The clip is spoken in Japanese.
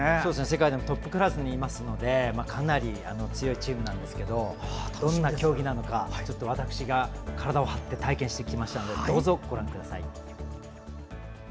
世界でもトップクラスにいますのでかなり強いチームなんですけどどんな競技なのかちょっと私が体を張って体験してきましたのでどうぞご覧ください。